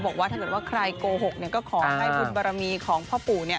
บอกว่าถ้าเกิดว่าใครโกหกเนี่ยก็ขอให้บุญบารมีของพ่อปู่เนี่ย